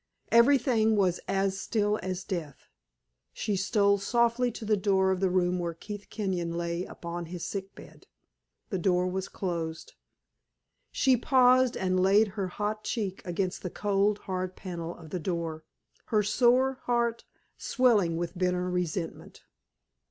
Everything was as still as death. She stole softly to the door of the room where Keith Kenyon lay upon his sick bed. The door was closed; she paused and laid her hot cheek against the cold, hard panel of the door, her sore heart swelling with bitter resentment.